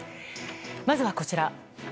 まずは、こちら。